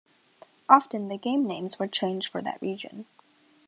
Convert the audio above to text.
Often the game names were changed for that region.